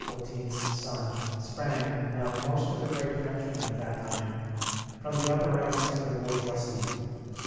's son sprang, like most of the great Frenchmen of that time, from the upper ranks of the bourgeoisie.